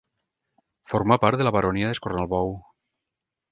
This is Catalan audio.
Formà part de la baronia d'Escornalbou.